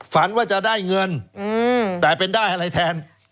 ฝันว่าจะได้เงินแต่เป็นได้อะไรแทน